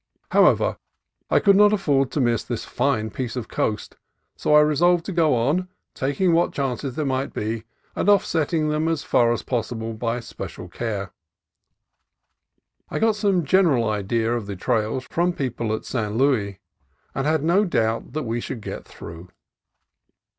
However, I could not afford to miss this fine piece of coast; so I resolved to go on, taking what chances there might be, and offsetting them as far as possible by special care. I had got some gen eral idea of the trails from people at San Luis, and had no doubt we should get through.